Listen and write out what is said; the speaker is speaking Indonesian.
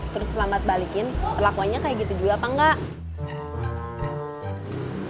terus lambat balikin lakuanya kayak gitu juga konon